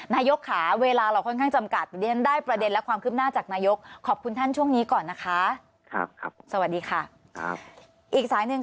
นะยกขาเวลาเราค่อนข้างจำกัดได้ประเด็นและความขึ้นหน้าจากนายกขอบคุณท่านช่วงนี้ก่อนนะค่ะสวัสดีค่ะ